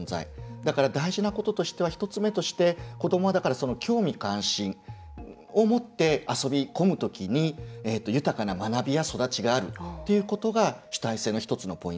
だから、大事なこととしては１つ目として、子どもはだから興味関心を持って遊びこむ時に、豊かな学びや育ちがあるっていうことが主体性の１つのポイントです。